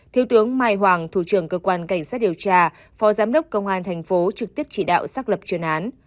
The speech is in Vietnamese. thiếu tướng mai hoàng thủ trưởng cơ quan cảnh sát điều tra phó giám đốc công an thành phố trực tiếp chỉ đạo xác lập chuyên án